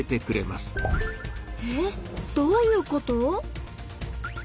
えっどういうこと？